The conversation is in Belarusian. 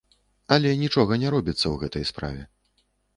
Але нічога не робіцца ў гэтай справе.